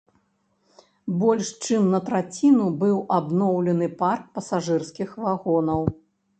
Больш чым на траціну быў абноўлены парк пасажырскіх вагонаў.